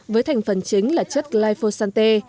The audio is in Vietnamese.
với thành phần chính là chất glyphosate